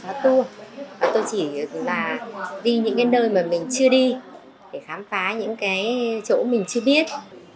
thì là đi những nơi mà mình chưa đi để khám phá những chỗ mình chưa biết